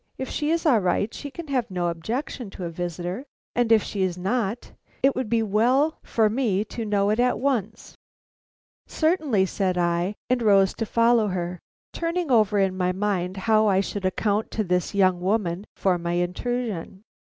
If she is all right, she can have no objection to a visitor; and if she is not, it would be well for me to know it at once." "Certainly," said I, and rose to follow her, turning over in my mind how I should account to this young woman for my intrusion.